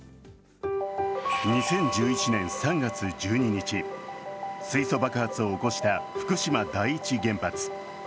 ２０１１年３月１２日、水素爆発を起こした福島第一原発。